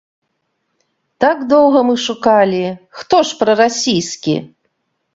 Так доўга мы шукалі, хто ж прарасійскі?